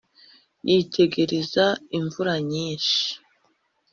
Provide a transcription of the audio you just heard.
yitegereza imvura nyinshi